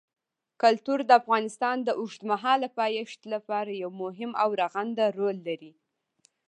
کلتور د افغانستان د اوږدمهاله پایښت لپاره یو مهم او رغنده رول لري.